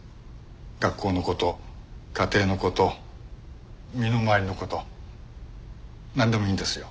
学校の事家庭の事身の回りの事なんでもいいんですよ。